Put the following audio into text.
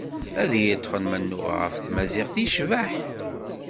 Ad iyi-ṭfen ma nnuɣeɣ ɣef tmaziɣt yecbeḥ.